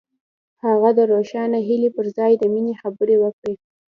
هغه د روښانه هیلې پر مهال د مینې خبرې وکړې.